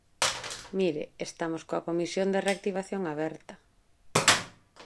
Mire, estamos coa Comisión de Reactivación aberta.